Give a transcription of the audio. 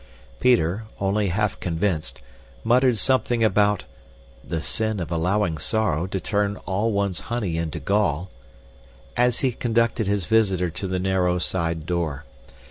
Peter, only half convinced, muttered something about "the sin of allowing sorrow to turn all one's honey into gall" as he conducted his visitor to the narrow side door.